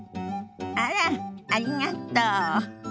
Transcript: あらっありがとう。